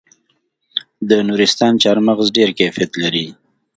د نورستان چهارمغز ډیر کیفیت لري.